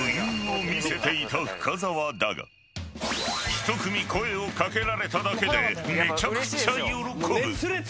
［１組声を掛けられただけでめちゃくちゃ喜ぶ］